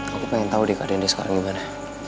aku pengen tau deh keadaan dia sekarang gimana